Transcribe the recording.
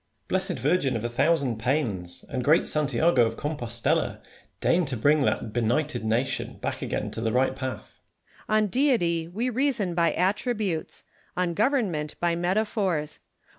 Blessed virgin of the thousand pains ! and great Santiago of Compostella ! deign to bring that benighted nation back again to the right path. Lacy. On Deity we reason by attributes ; on govei'n ment by metaphors.